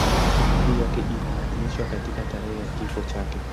Sikukuu yake inaadhimishwa katika tarehe ya kifo chake.